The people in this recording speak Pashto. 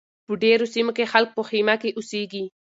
په ډېرو سیمو کې خلک په خیمه کې اوسیږي.